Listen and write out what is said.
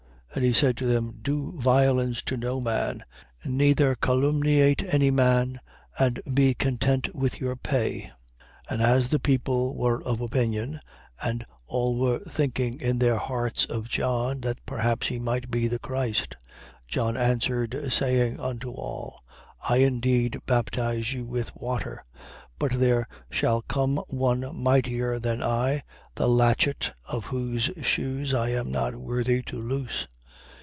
And he said to them: Do violence to no man, neither calumniate any man; and be content with your pay. 3:15. And as the people were of opinion, and all were thinking in their hearts of John, that perhaps he might be the Christ: 3:16. John answered, saying unto all: I indeed baptize you with water: but there shall come one mightier than I, the latchet of whose shoes I am not worthy to loose.